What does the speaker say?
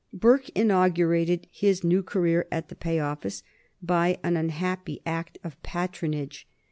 Burke inaugurated his new career at the Pay Office by an unhappy act of patronage.